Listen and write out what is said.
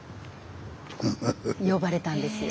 呼ばれたんですよ。